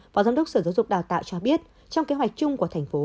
phó giám đốc sở giáo dục đào tạo cho biết trong kế hoạch chung của thành phố